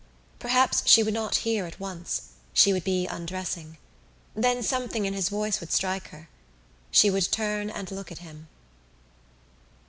Perhaps she would not hear at once: she would be undressing. Then something in his voice would strike her. She would turn and look at him....